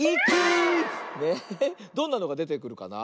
どんなのがでてくるかな？